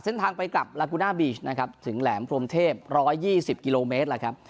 เส้นทางไปกับลากูน่าบีชนะครับถึงแหลมพรมเทพร้อยยี่สิบกิโลเมตรนะครับ